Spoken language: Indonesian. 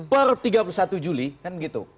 per tiga puluh satu juli kan gitu